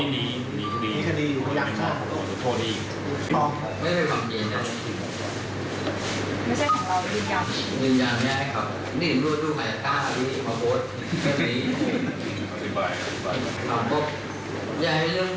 เสียเกตครับพี่ทำกำหนดเลย